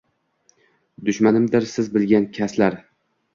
Dushmanimdir siz bilgan kaslar